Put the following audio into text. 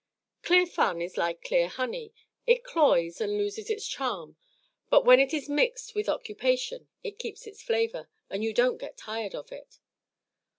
Clear fun is like clear honey, it cloys and loses its charm; but when it is mixed with occupation it keeps its flavor, and you don't get tired of it."